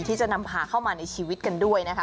ที่จะนำพาเข้ามาในชีวิตกันด้วยนะคะ